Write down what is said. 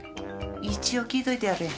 一応聞いといてやるよ。